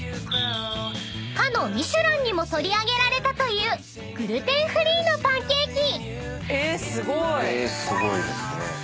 ［かのミシュランにも取り上げられたというグルテンフリーのパンケーキ］